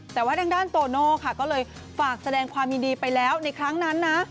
แต่ว่าทางด้านโตโน่ค่ะก็เลยฝากแสดงความยินดีไปแล้วในครั้งนั้นนะ